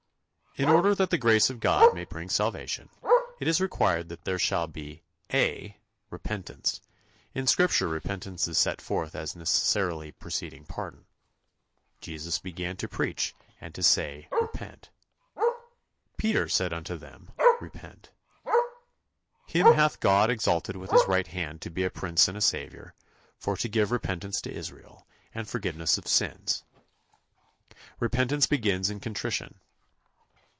In order that the grace of God may bring salvation, it is required that there shall be (a) Repentance. In Scripture repentance is set forth as necessarily preceding pardon: "Jesus began to preach, and to say, Repent." "Peter said unto them, Repent." "Him hath God exalted with his right hand to be a Prince and a Saviour, for to give repentance to Israel, and forgiveness of sins." Repentance begins in contrition.